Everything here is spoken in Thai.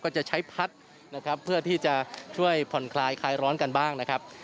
จะใช้พัดนะครับเพื่อที่จะช่วยผ่อนคลายคลายร้อนกันบ้างนะครับ